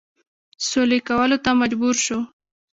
سولي کولو ته مجبور شو.